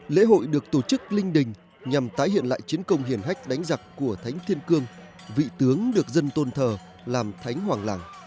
lễ hội được tổ chức linh đình nhằm tái hiện lại chiến công hiể hách đánh giặc của thánh thiên cương vị tướng được dân tôn thờ làm thánh hoàng